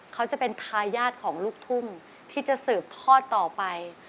เขาจะเป็นทายาทของลูกทุ่งที่จะสืบทอดต่อไป